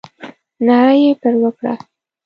ناره یې پر وکړه.